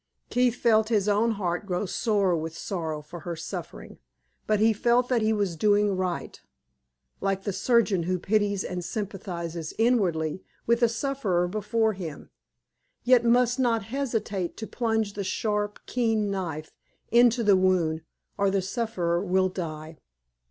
Keith felt his own heart grow sore with sorrow for her suffering, but he felt that he was doing right, like the surgeon who pities and sympathizes inwardly with the sufferer before him, yet must not hesitate to plunge the sharp, keen knife into the wound, or the sufferer will die.